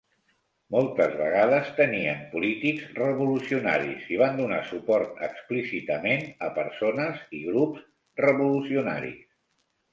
Moltes vegades tenien polítics revolucionaris i van donar suport explícitament a persones i grups revolucionaris.